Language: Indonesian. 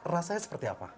rasanya seperti apa